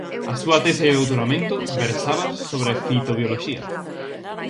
A súa tese de doutoramento versaba sobre fitobioloxía.